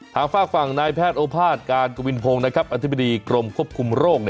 ทางฝากฝั่งนายแพทย์โอภาษการกวินโพงนะครับอธิบดีกรมควบคุมโรค